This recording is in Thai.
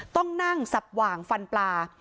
ต้องนั่งสับหว่างฟันปลา